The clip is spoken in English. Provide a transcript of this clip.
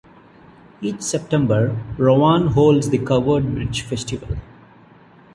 Each September, Roann holds the Covered Bridge Festival.